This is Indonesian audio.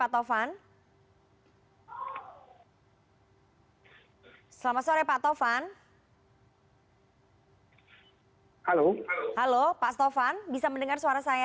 halo pak tovan bisa mendengar suara saya